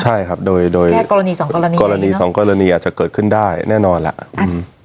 ใช่ครับโดยโดยแค่กรณีสองกรณีกรณีสองกรณีอาจจะเกิดขึ้นได้แน่นอนล่ะอืม